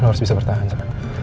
lo harus bisa bertahan sa